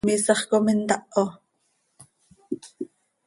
¿Miisax com intaho?